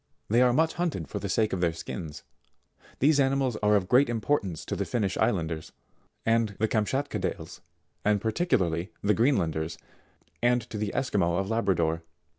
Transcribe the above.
They are much hunted for the sake of their skins. These ani mals are of great importance to the Finnish Islanders, the Kamt schatkadales, and particularly the Greenlanders, and to the ii'squi maux of Labrador.